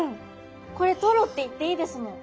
これトロって言っていいですもん。